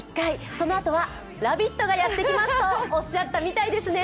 そのあとは「ラヴィット！」がやってきますとおっしゃったみたいですね。